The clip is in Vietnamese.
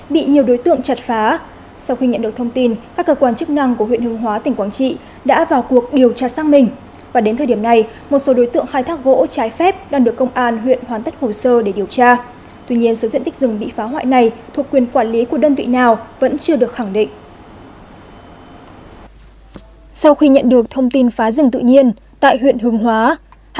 bị nhiều đối tượng chặt phá sau khi nhận được thông tin các cơ quan chức năng của huyện hương hóa tỉnh quảng trị đã vào cuộc điều tra xác minh và đến thời điểm này một số đối tượng khai thác gỗ trái phép đang được công an huyện hoán tất hồ sơ để điều tra tuy nhiên số diện tích rừng bị phá hoại này thuộc quyền quản lý của đơn vị nào vẫn chưa được khẳng định